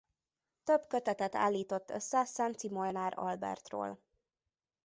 Több kötetet állított össze Szenczi Molnár Albertról.